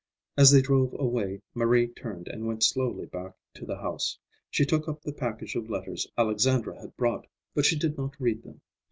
As they drove away, Marie turned and went slowly back to the house. She took up the package of letters Alexandra had brought, but she did not read them.